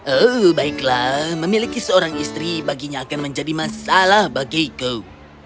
oh baiklah memiliki seorang istri baginya akan menjadi masalah bagiku